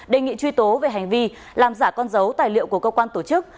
đề nghị truy tố về hành vi làm giả con dấu tài liệu của cơ quan tổ chức